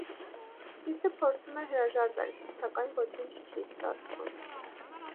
Կրիսը փորձում է հրաժարվել, սակայն ոչինչ չի ստացվում։